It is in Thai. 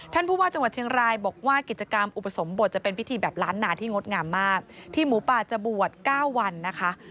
ท่านผู้ว่าจังหวัดเชียงรายบอกว่ากิจกรรมอุปสมบทจะเป็นพิธีแบบล้านนาที่งดงามมากที่หมูป่าจะบวช๙วันนะคะ